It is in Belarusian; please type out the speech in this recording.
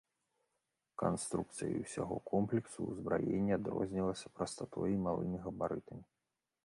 Канструкцыя ўсяго комплексу ўзбраення адрознівалася прастатой і малымі габарытамі.